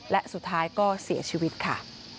และสุดท้ายก็เสียชีวิตค่ะ